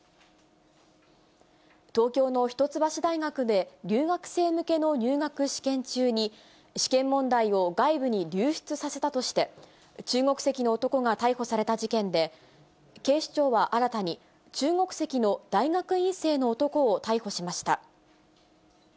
東京の一橋大学で、留学生向けの入学試験中に、試験問題を外部に流出させたとして、中国籍の男が逮捕された事件で、警視庁は新たに、中国籍の大学院生の男を逮捕しました。